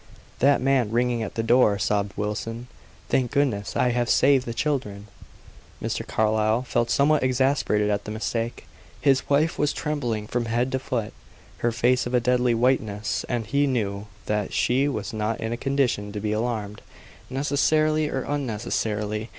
"That man ringing at the door," sobbed Wilson. "Thank goodness I have saved the children!" Mr. Carlyle felt somewhat exasperated at the mistake. His wife was trembling from head to foot, her face of a deadly whiteness, and he knew that she was not in a condition to be alarmed, necessarily or unnecessarily.